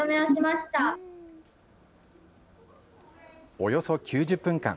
およそ９０分間。